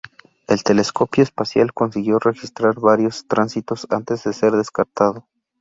El telescopio espacial consiguió registrar varios tránsitos antes de ser descartado.